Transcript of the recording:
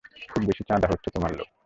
খুব বেশি চাঁদা চাচ্ছে তোর লোক।